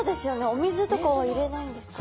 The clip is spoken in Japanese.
お水とかは入れないんですか？